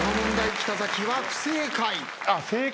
北崎は不正解。